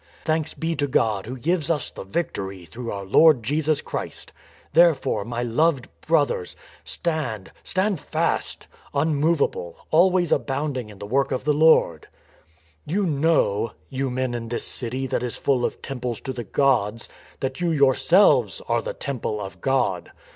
..." Thanks be to God who gives us the victory through our Lord Jesus Christ. Therefore my loved 232 STORM AND STRESS brothers, stand, stand fast, unmovable, always abound ing in the work of the Lord. " You know (you men in this city that is full of temples to the gods) that you yourselves are the Temple of God.